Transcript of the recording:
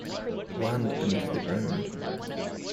Land Beneath the Ground!